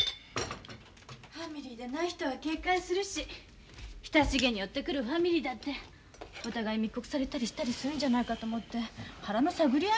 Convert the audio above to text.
ファミリーでない人は警戒するし親しげに寄ってくるファミリーだってお互い密告されたりしたりするんじゃないかと思って腹の探り合いよ。